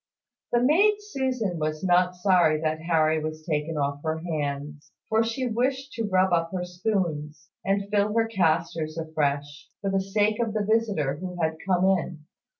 The maid Susan was not sorry that Harry was taken off her hands; for she wished to rub up her spoons, and fill her castors afresh, for the sake of the visitor who had come in.